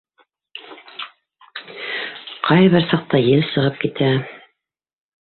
Ҡайһы бер саҡта ел сығып китә.